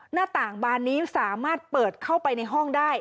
หน้าต่างบานนี้สามารถเปิดเข้าไปในห้องได้